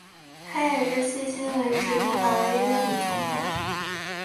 她也是迄今为止冰岛唯一的女总统。